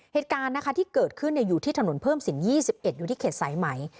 เหตุการณ์นะคะที่เกิดขึ้นอยู่ที่ถนนเพิ่มสิน๒๑อยู่ที่เขตสายไหม